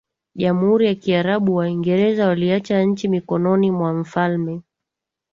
Jamhuri ya Kiarabu Waingereza waliacha nchi mikononi mwa mfalme